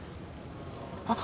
あっ。